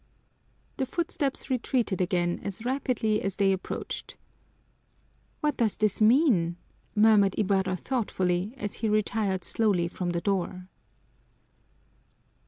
The footsteps retreated again as rapidly as they approached. "What does this mean?" murmured Ibarra thoughtfully as he retired slowly from the door.